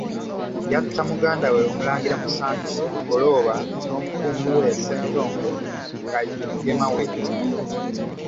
Yatta muganda we Omulangira Musanje Ggolooba n'omukungu we Ssentongo nga ye Mugema we.